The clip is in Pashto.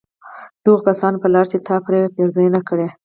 د هغو كسانو په لار چي تا پرې پېرزوينه كړې